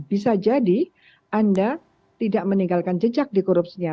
bisa jadi anda tidak meninggalkan jejak di korupsinya